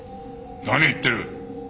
何を言ってる！